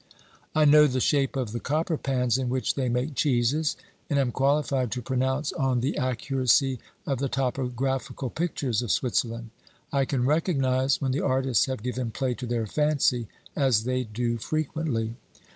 I know the shape of the copper pans in which they make cheeses, and am qualified to pronounce on the ac curacy of the topographical pictures of Switzerland. I can recognise when the artists have given play to their fancy, as they do frequently.